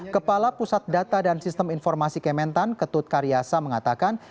kepala pusat data dan sistem informasi kementan ketut karyasa mengatakan